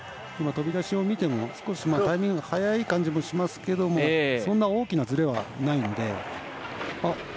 今飛び出しを見ても少しタイミングが早い感じがしますけれどもそんな大きなずれはないので。